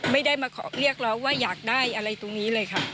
ไม่ได้มาขอเรียกร้องว่าอยากได้อะไรตรงนี้เลยค่ะ